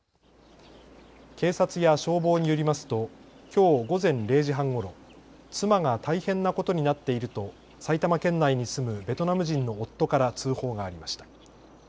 警察や消防によりますときょう午前０時半ごろ、妻が大変なことになっていると埼玉県内に住むベトナム人の夫から通報がありました。